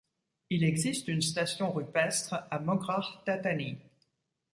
Il existe une station rupestre à Moghrar Tahtani.